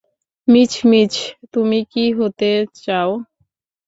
Miss-miss, তুমি কী হতে চাও?